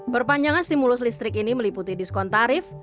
perpanjangan stimulus listrik ini meliputi diskon tarif